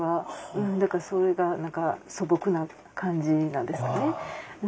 うんだからそれが何か素朴な感じなんですかね。